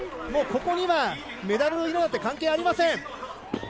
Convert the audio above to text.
ここにはメダルの色は関係ありません。